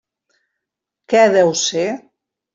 Què deu ser?